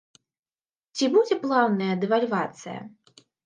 Ці будзе плаўная дэвальвацыя?